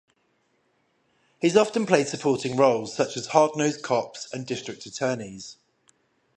He often played supporting roles such as hard-nosed cops and district attorneys.